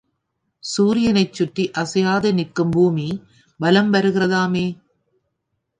சூரியனைச் சுற்றி அசையாது நிற்கும் பூமி, வலம் வருகிறதாமே!